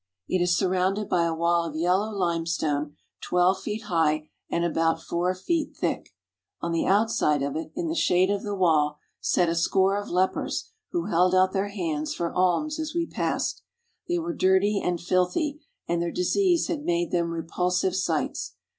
It is surrounded by a wall of yellow limestone twelve feet high and about four feet thick. On the outside of it, in the shade of the wall, sat a score of lepers who held out their hands for alms as we passed. They were dirty and filthy and their disease had made them repulsive sights.